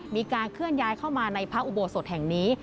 มีการเคลื่อนย้ายเข้ามาในพระอุโบสถแห่งนี้